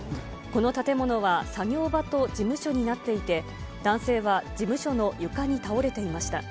この建物は作業場と事務所になっていて、男性は事務所の床に倒れていました。